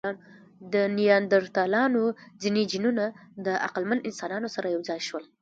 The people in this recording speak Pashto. د نیاندرتالانو ځینې جینونه د عقلمن انسانانو سره یو ځای شول.